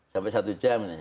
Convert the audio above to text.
sampai satu jam nih